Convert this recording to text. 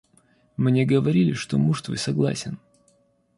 Мне говорили, что муж твой согласен.